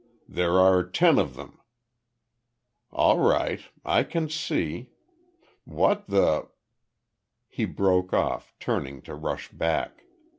"There are ten of them." "All right. I can see What the ?" He broke off, turning to rush back.